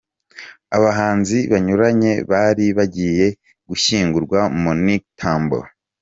Abahanzi banyuranye bari bagiye gushyingura Monique Tambo.